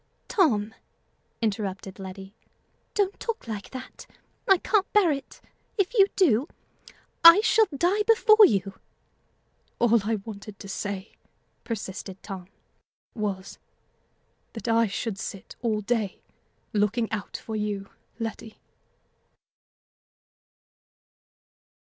"Tom!" interrupted Letty, "don't talk like that; I can't bear it. If you do, I shall die before you." "All I wanted to say," persisted Tom, "was, that I should sit all day looking out for you, Letty."